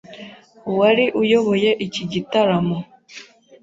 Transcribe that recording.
uwari uyoboye iki gitaramo